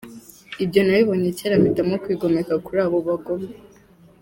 Ibyo nabibonye cyera mpitamo kwigomeka kuri abo bagome.